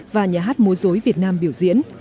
và nhà hát mô dối việt nam biểu diễn